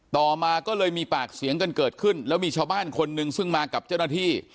ต่อมาก็เลยมีปากเสียงกันเกิดขึ้นแล้วมีชาวบ้านคนหนึ่งซึ่งมากับเจ้าหน้าที่